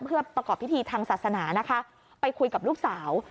เพื่อประกอบพิธีทางศาสนานะคะไปคุยกับลูกสาว